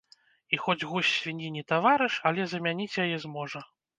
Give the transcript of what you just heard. І хоць гусь свінні не таварыш, але замяніць яе зможа.